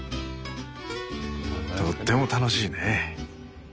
とっても楽しいね。